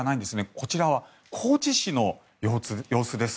こちらは高知市の様子です。